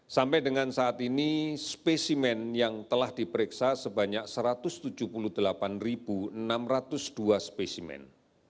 sampai dengan saat ini spesimen yang telah diperiksa sebanyak satu ratus tujuh puluh delapan enam ratus dua spesimen